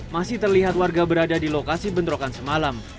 masih terlihat warga berada di lokasi bentrokan semalam